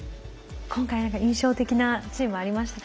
今回何か印象的なチームありましたか？